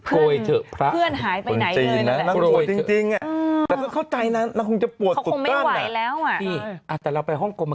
รมเพิ้วก็ต้องลงจากสถานีม